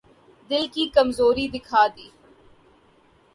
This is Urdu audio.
دل نے کمزوری دکھا دی۔